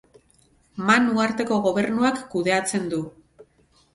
Man Uharteko gobernuak kudeatzen du.